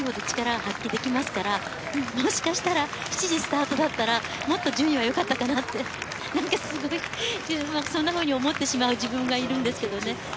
だけど日本って暑ければ暑いほど力が発揮できますから、もしかしたら７時スタートだったら、もっと順位がよかったかなって、なんかすごいそんなふうに思ってしまう自分がいるんですけどね。